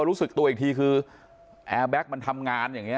รู้สึกตัวอีกทีคือแอร์แบ็คมันทำงานอย่างนี้